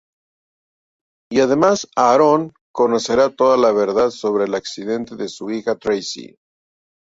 Y además, Aaron conocerá toda la verdad sobre el accidente de su hija Tracy.